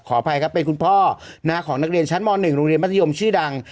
อภัยครับเป็นคุณพ่อของนักเรียนชั้นม๑โรงเรียนมัธยมชื่อดัง